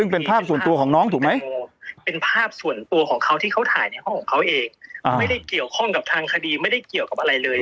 เป็นภาพส่วนตัวของเขาที่เขาถ่ายในห้องของเขาเองอ่าไม่ได้เกี่ยวข้องกับทางคดีไม่ได้เกี่ยวกับอะไรเลย